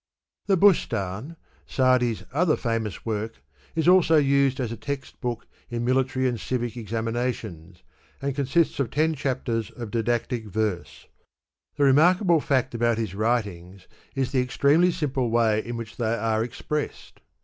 ^^^ The Bustan, SaMi^s other £&mous work, is also used as a text book in military and civil examinations, and consists of ten chapters of didactic verse. The remarkable fact about his writings is the extremely simple way in which they are expressed.